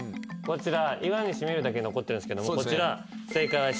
こちら「岩にしみいる」だけ残ってるんですけども正解は。